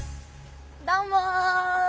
どうも！